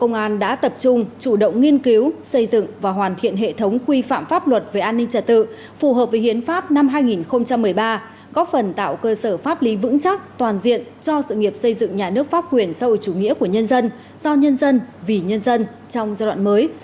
công an trung ương luôn coi trọng quan tâm đặc biệt đến công tác xây dựng hàng trăm văn bản quy phạm pháp luật về an ninh trật tự do nhân dân vì nhân dân vì nhân dân trong giai đoạn mới